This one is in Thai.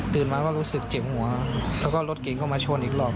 มาก็รู้สึกเจ็บหัวแล้วก็รถเก่งก็มาชนอีกรอบ